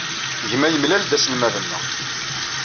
Gma yemlal-d aselmad-nneɣ.